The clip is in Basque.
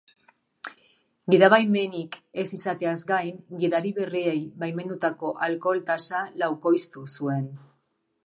Gidabaimenik ez izateaz gain, gidari berriei baimendutako alkohol tasa laukoiztu zuen.